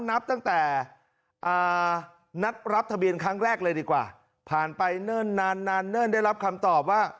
นับตั้งแต่นัดรับทะเบียนครั้งแรกเลยดีกว่าผ่านไปเนิ่นนานนานเนิ่นได้รับคำตอบว่า